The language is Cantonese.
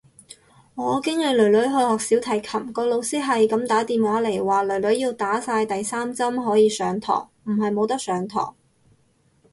我經理囡囡去學小提琴，個老師係咁打電話嚟話，囡囡要打晒第三針可以上堂，唔係冇得上堂。